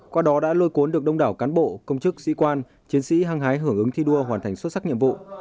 qua đó đã lôi cuốn được đông đảo cán bộ công chức sĩ quan chiến sĩ hăng hái hưởng ứng thi đua hoàn thành xuất sắc nhiệm vụ